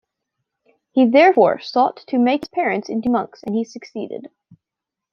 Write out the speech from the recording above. He therefore sought to make his parents into monks, and he succeeded.